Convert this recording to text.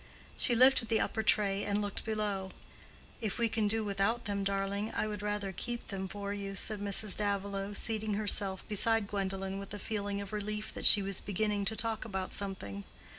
She lifted the upper tray and looked below. "If we can do without them, darling, I would rather keep them for you," said Mrs. Davilow, seating herself beside Gwendolen with a feeling of relief that she was beginning to talk about something.